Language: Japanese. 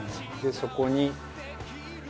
でそこに。